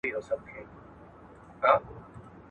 د ميرمنو تر منځ په قسم کې ولي توپیر نشته؟